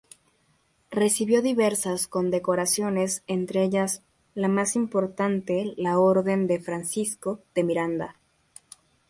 Recibió diversas condecoraciones entre ellas la más importante la Orden de Francisco de Miranda.